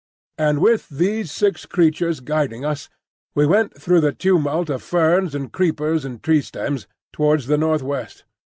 And with these six creatures guiding us, we went through the tumult of ferns and creepers and tree stems towards the northwest.